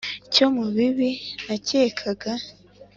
Cyo mu bibi nakekaga